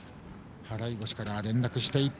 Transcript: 払い腰から連絡していって。